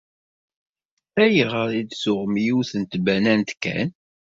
Ayɣer i d-tuɣem yiwet n tbanant kan?